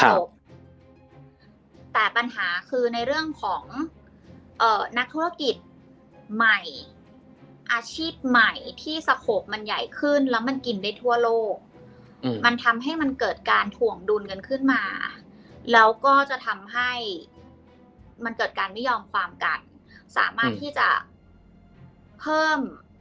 แต่ปัญหาคือในเรื่องของนักธุรกิจใหม่อาชีพใหม่ที่สโขปมันใหญ่ขึ้นแล้วมันกินได้ทั่วโลกมันทำให้มันเกิดการถ่วงดุลกันขึ้นมาแล้วก็จะทำให้มันเกิดการไม่ยอมความกันสามารถที่จะเพิ่ม